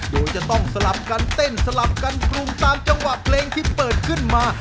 โดยจะต้องสลับกันเต้นสลับกันปรุงตามจังหวะเพลงที่เปิดขึ้นมา